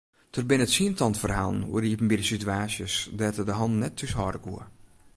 Der binne tsientallen ferhalen oer iepenbiere situaasjes dêr't er de hannen net thúshâlde koe.